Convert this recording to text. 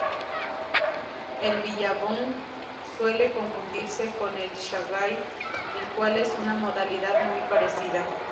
El billabong suele confundirse con el Shanghai, el cual es una modalidad muy parecida.